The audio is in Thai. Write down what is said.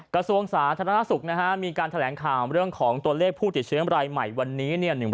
กระทรวงศาสตร์ธรรมนักศึกษ์มีการแถลงข่าวเรื่องของตัวเลขผู้ติดเชื้อใหม่วันนี้